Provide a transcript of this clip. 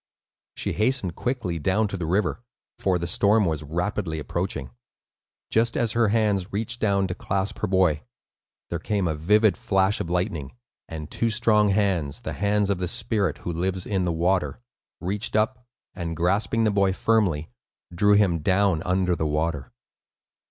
She hastened quickly down to the river, for the storm was rapidly approaching. Just as her hands reached down to clasp her boy, there came a vivid flash of lightning, and two strong hands (the hands of the spirit who lives in the water) reached up, and grasping the boy firmly, drew him down under the water.